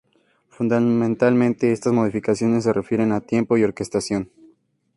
Fundamentalmente, estas modificaciones se refieren a tempo y orquestación.